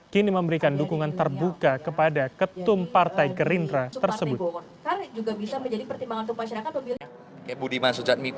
kini memberikan dukungan terbuka kepada ketum partai gerindra tersebut